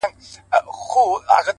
• سهار چي له خلوته را بهر سې خندا راسي,